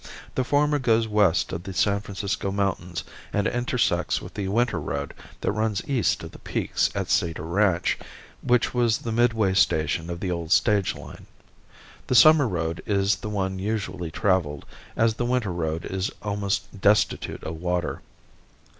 The former goes west of the San Francisco mountains and intersects with the winter road that runs east of the peaks at Cedar Ranch, which was the midway station of the old stage line. The summer road is the one usually travelled, as the winter road is almost destitute of water.